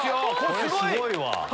すごいわ！